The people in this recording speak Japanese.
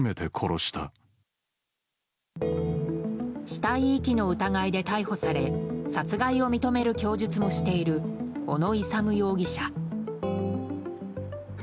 死体遺棄の疑いで逮捕され殺害を認める供述もしている小野勇容疑者。